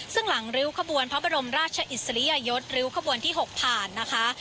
ซึ่งหลังริ้วขบวนพระบรมราชอิสริยยศริ้วขบวนที่๖ผ่านนะคะ